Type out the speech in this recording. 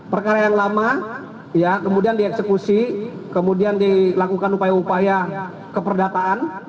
perkara yang lama kemudian dieksekusi kemudian dilakukan upaya upaya keperdataan